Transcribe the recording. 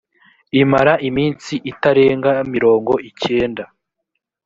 imara iminsi itarenga mirongo icyenda